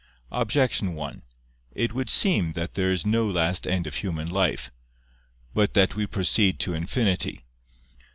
Objection 1: It would seem that there is no last end of human life, but that we proceed to infinity.